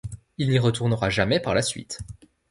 Il n'y retournera jamais par la suite.